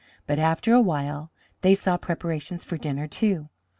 But after a while they saw preparations for dinner, too.